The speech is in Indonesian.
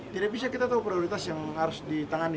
tidak bisa kita tahu prioritas yang harus ditangani